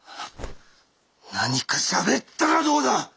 何かしゃべったらどうだ！